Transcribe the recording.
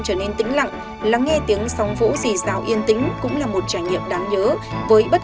trở nên tĩnh lặng lắng nghe tiếng sóng vũ dì rào yên tĩnh cũng là một trải nghiệm đáng nhớ với bất